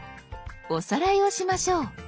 おさらいをしましょう。